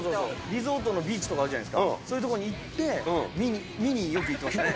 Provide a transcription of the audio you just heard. リゾートのビーチとかあるじゃないですか、そういう所に行って、見に、よく行ってましたね。